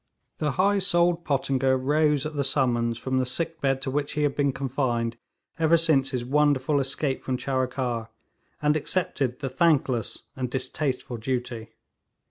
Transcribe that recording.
The high souled Pottinger rose at the summons from the sickbed to which he had been confined ever since his wonderful escape from Charikar, and accepted the thankless and distasteful duty.